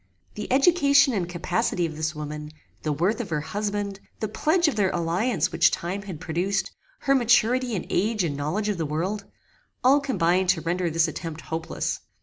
The education and capacity of this woman, the worth of her husband, the pledge of their alliance which time had produced, her maturity in age and knowledge of the world all combined to render this attempt hopeless.